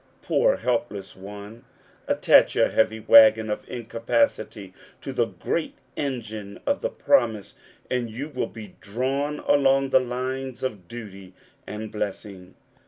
Poor helpless one, attach your heavy wagon of incapacity to the great engine of the promise, and you will be drawn along the lines of duty and blessing